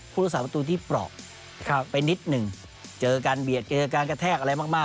รักษาประตูที่เปราะไปนิดหนึ่งเจอการเบียดเจอการกระแทกอะไรมาก